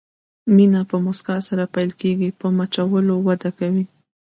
مینه په مسکا سره پیل کېږي، په مچولو وده کوي.